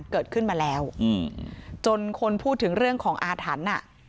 เกิดขึ้นมาแล้วจนคนพูดถึงเรื่องของอาถรรพ์อ่ะ